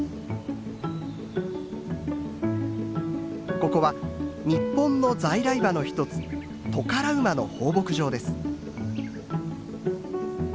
ここは日本の在来馬の一つトカラ馬の放牧場です。